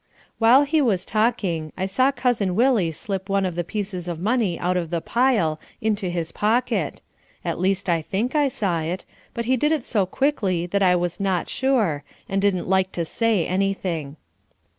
While he was talking I saw Cousin Willie slip one of the pieces of money out of the pile into his pocket: at least I think I saw it; but he did it so quickly that I was not sure, and didn't like to say anything.